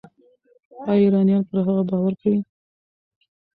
ایا ایرانیان پر هغه باور کوي؟